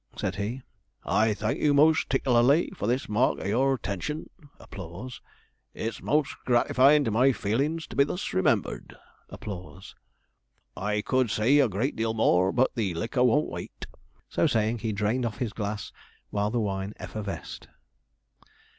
said he, 'I thank you most 'ticklarly for this mark of your 'tention; it's most gratifying to my feelins to be thus remembered. I could say a great deal more, but the liquor won't wait.' So saying, he drained off his glass while the wine effervesced.